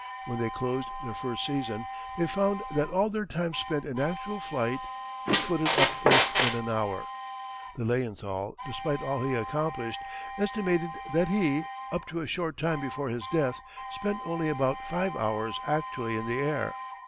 When they closed their first season, they found that all their time spent in actual flight footed up less than an hour. Lilienthal, despite all he accomplished, estimated that he, up to a short time before his death, spent only about five hours actually in the air.